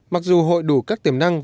mặc dù hội đủ các tiềm năng